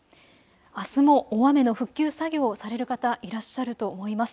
あすも大雨の復旧作業をされる方、いらっしゃると思います。